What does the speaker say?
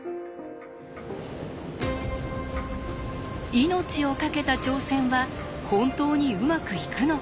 命をかけた挑戦は本当にうまくいくのか？